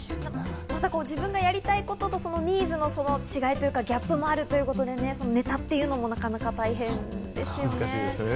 自分がやりたいこととニーズの違いというかギャップもあるということでネタというのもなかなか大変ですよね。